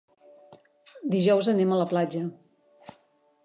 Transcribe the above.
Dijous anem a la platja.